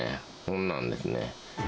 こんなんですね。